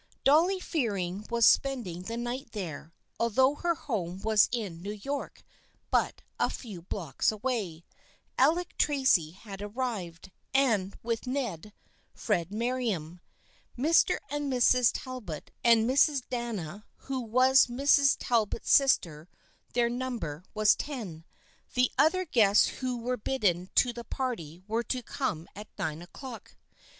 Dolly Fearing was spend ing the night there, although her home was in New York, but a few blocks away; Alec Tracy had arrived, and with Ned, Fred Merriam, Mr. and Mrs. Talbot and Mrs. Dana, who was Mrs. Talbot's sister, their number was ten. The other guests who were bidden to the party were to come at nine o'clock.